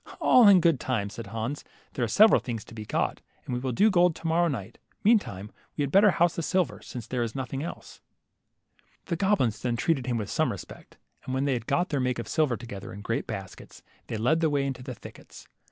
All in good time," said Hans, there are several things to be got, and we will do gold to morrow night ; meantime, we had better house the silver, since there is nothing else." 32 LITTLE HANS. The goblins then treated him with some respect, and when they had got their make of silver together in great baskets, they led the way into the thickets.